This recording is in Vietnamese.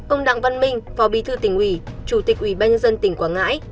ông đặng văn minh phó bí thư tỉnh ủy chủ tịch ủy ban nhân dân tỉnh quảng ngãi